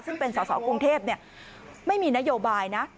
ซึ่งเป็นสอสอกรุงเทพไม่มีนโยบายนะ